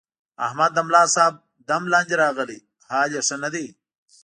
احمد د ملاصاحب دم لاندې راغلی، حال یې ښه نه دی.